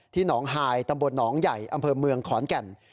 ที่หนองหายตหนองใหญ่อำเภอเมืองขแก่น